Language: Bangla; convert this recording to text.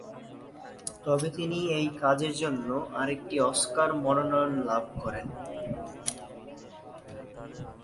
তবে তিনি এই কাজের জন্য আরেকটি অস্কারের মনোনয়ন লাভ করেন।